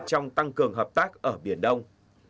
trong tăng cường hợp tác ở biển đông